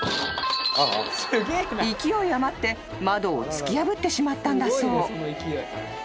［勢い余って窓を突き破ってしまったんだそう］